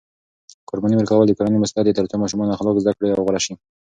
قرباني ورکول د کورنۍ مسؤلیت دی ترڅو ماشومان اخلاق زده کړي او غوره شي.